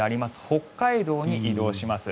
北海道に移動します。